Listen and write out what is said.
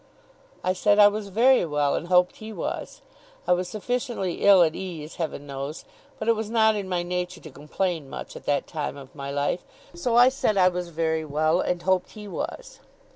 I said I was very well, and hoped he was. I was sufficiently ill at ease, Heaven knows; but it was not in my nature to complain much at that time of my life, so I said I was very well, and hoped he was.